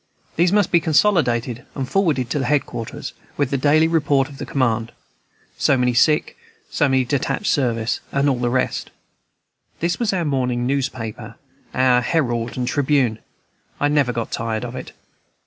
These must be consolidated and forwarded to head quarters, with the daily report of the command, so many sick, so many on detached service, and all the rest. This was our morning newspaper, our Herald and Tribune; I never got tired of it.